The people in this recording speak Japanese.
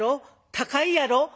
高いやろ」。